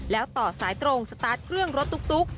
แล้วต่อสายตรงสตาร์ทเครื่องรถตุ๊ก